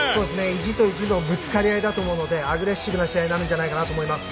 意地と意地のぶつかり合いだと思うのでアグレッシブな試合になるんじゃないかと思います。